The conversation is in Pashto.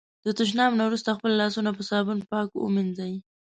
د تشناب نه وروسته خپل لاسونه په صابون پاک ومېنځی.